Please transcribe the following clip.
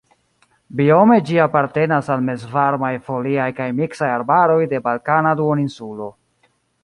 Biome ĝi apartenas al mezvarmaj foliaj kaj miksaj arbaroj de Balkana Duoninsulo.